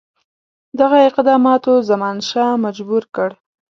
دغه اقداماتو زمانشاه مجبور کړ.